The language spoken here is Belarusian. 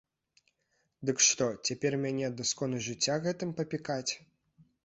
Дык што, цяпер мяне да скону жыцця гэтым папікаць?